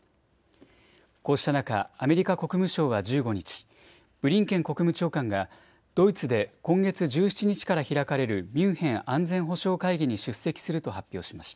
こうした中、アメリカ国務省は１５日、ブリンケン国務長官がドイツで今月１７日から開かれるミュンヘン安全保障会議に出席すると発表しました。